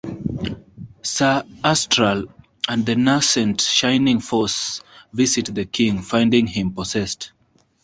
Sir Astral and the nascent Shining Force visit the king, finding him possessed.